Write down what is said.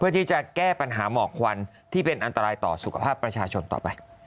ที่จะแก้ปัญหาหมอกควันที่เป็นอันตรายต่อสุขภาพประชาชนต่อไป